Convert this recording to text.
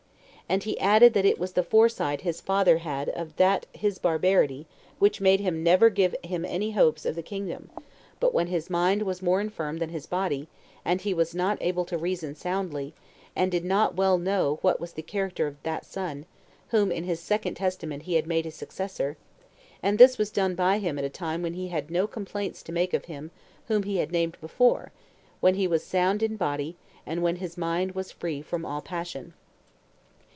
And he added, that it was the foresight his father had of that his barbarity which made him never give him any hopes of the kingdom, but when his mind was more infirm than his body, and he was not able to reason soundly, and did not well know what was the character of that son, whom in his second testament he made his successor; and this was done by him at a time when he had no complaints to make of him whom he had named before, when he was sound in body, and when his mind was free from all passion.